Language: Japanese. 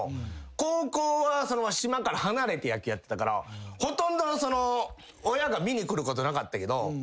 高校は島から離れて野球やってたからほとんど親が見に来ることなかったけど。